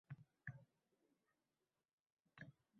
— Shu bois, faqat bo‘yiga o‘sadi. Buni esi qanaqa ekan?»